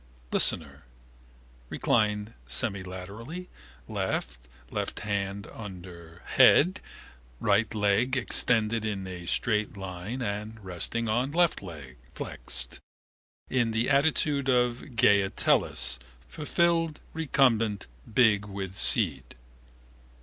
Listener: reclined semilaterally, left, left hand under head, right leg extended in a straight line and resting on left leg, flexed, in the attitude of Gea Tellus, fulfilled, recumbent, big with seed.